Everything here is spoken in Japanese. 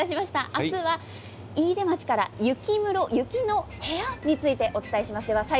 明日は飯豊町から雪室、雪の部屋についてご紹介します。